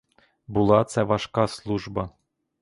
Була це важка служба.